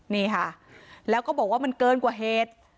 นี่ค่ะแล้วก็บอกว่ามันเกินกว่าเหตุ